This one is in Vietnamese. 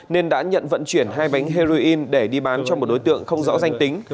nên đã nhận vận chuyển hai bánh heroin để đi bán cho một đối tượng không rõ danh tính